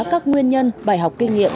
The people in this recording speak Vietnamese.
các nguyên nhân bài học kinh nghiệm